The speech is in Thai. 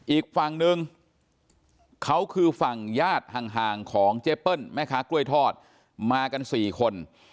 อีกฝั่งหนึ่งเขาคือฝั่งญาติห่างของเจเปิ้ลแม่ค้ากล้วยทอดมากัน๔คน